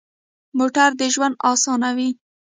موټر د ژوند اسانوي.